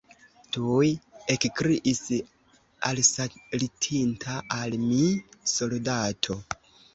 Tuj ekkriis alsaltinta al mi soldato.